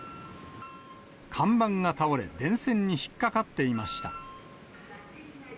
看板が倒れ、電線に引っ掛かっていました。